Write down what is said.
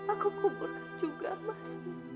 aku kumpulkan juga mas